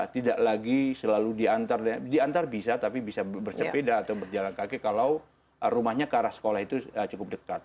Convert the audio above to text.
tidak lagi selalu diantar diantar bisa tapi bisa bersepeda atau berjalan kaki kalau rumahnya ke arah sekolah itu cukup dekat